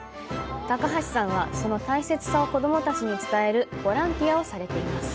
高橋さんは、その大切さを子供たちに伝えるボランティアをされています。